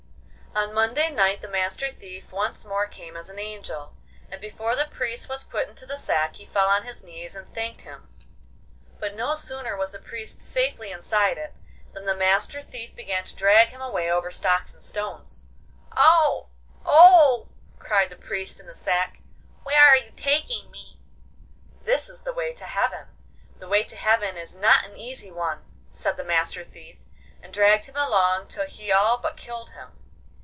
On Monday night the Master Thief once more came as an angel, and before the Priest was put into the sack he fell on his knees and thanked him; but no sooner was the Priest safely inside it than the Master Thief began to drag him away over stocks and stones. 'Oh! oh!' cried the Priest in the sack. 'Where are you taking me?' 'This is the way to heaven. The way to heaven is not an easy one,' said the Master Thief, and dragged him along till he all but killed him.